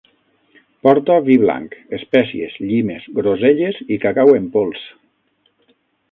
Porta vi blanc, espècies, llimes, groselles i cacau en pols